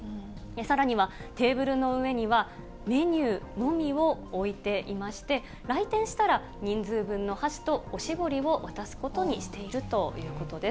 さらには、テーブルの上には、メニューのみを置いていまして、来店したら、人数分の箸とおしぼりを渡すことにしているということです。